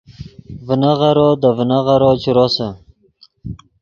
ڤینغیرو دے ڤینغیرو چے روسے